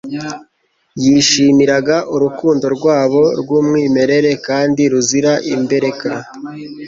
Yishimiraga urukundo rwabo rw'umwimerere kandi ruzira imbereka.